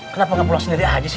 kenapa nggak pulang sendiri aja sih